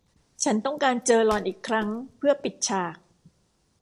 ฉันต้องการเจอหล่อนอีกครั้งเพื่อปิดฉาก